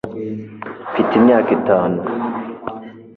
mfite imyaka itanu